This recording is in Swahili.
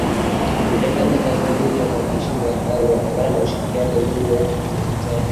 utendaji kazi mzuri wa mwandishi wa habari unatokana na ushirikiano mzuri wa wazungumzaji